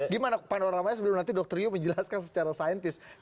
gimana panoramanya sebelum nanti dr ryu menjelaskan secara saintis